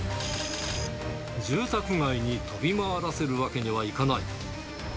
住宅街に飛び回らせるわけにはいかない。